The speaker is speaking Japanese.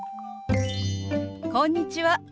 こんにちは。